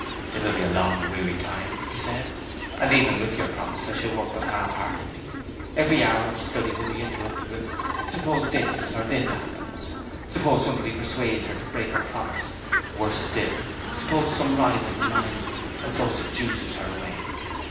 'It will be a long, weary time,' he said. 'And even with your promise I shall work but half heartedly. Every hour of study will be interrupted with "Suppose this or this happens;" "Suppose somebody persuades her to break her promise;" worse still, "Suppose some rival maligns me, and so seduces her away."